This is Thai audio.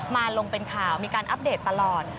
มาลงเป็นข่าวมีการอัปเดตตลอด